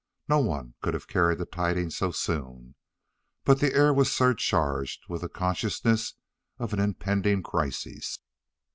No one could have carried the tidings so soon, but the air was surcharged with the consciousness of an impending crisis.